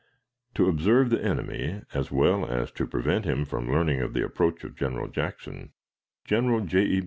To observe the enemy, as well as to prevent him from learning of the approach of General Jackson, General J. E.